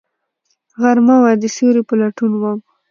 غرمه وه، د سیوری په لټون وم